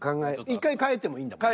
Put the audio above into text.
１回変えてもいいんだもんね。